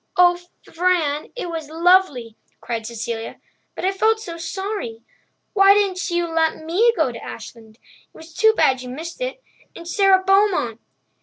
"Oh, Fran, it was lovely!" cried Cecilia. "But I felt so sorry—why didn't you let me go to Ashland? It was too bad you missed it—and Sara Beaumont."